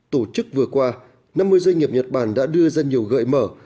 tổ chức vừa qua năm mươi doanh nghiệp nhật bản đã đưa ra nhiều gợi mở